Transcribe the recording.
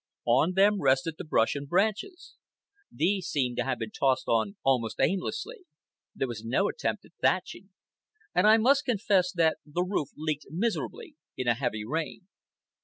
On them rested the brush and branches. These seemed to have been tossed on almost aimlessly. There was no attempt at thatching. And I must confess that the roof leaked miserably in a heavy rain.